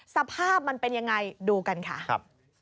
สภาพมันเป็นอย่างไรดูกันค่ะ